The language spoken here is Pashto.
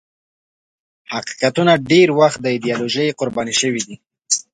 حقیقتونه ډېر وخت د ایدیالوژۍ قرباني شوي دي.